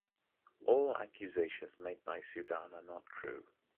All accusations made by Sudan are not true.